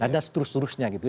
dan seterus terusnya gitu